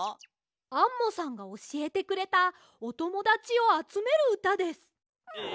アンモさんがおしえてくれたおともだちをあつめるうたです。え？